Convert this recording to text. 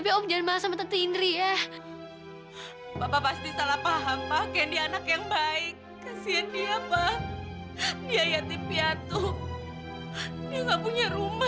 pokoknya kamu gak boleh pergi sebelum kamu sembuh kenny